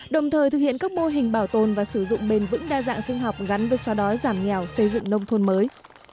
đồng thời thực hiện các mô hình bảo tồn và sử dụng bền vững đa dạng sinh học gắn với xóa đói giảm nghèo xây dựng nông thôn mới